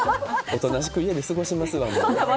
おとなしく家で過ごしますわ。